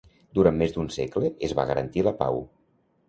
Durant més d'un segle es va garantir la pau.